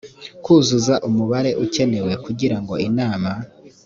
kuzuza umubare ukenewe kugira ngo inama